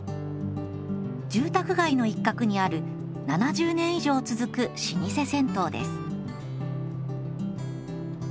住宅街の一角にある７０年以上続く老舗銭湯です。